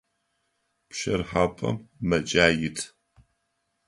Пщэрыхьапӏэм мэкӏаи ит.